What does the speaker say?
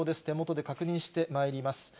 手元で確認してまいります。